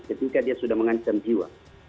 ketika dia sudah mengancam jiwa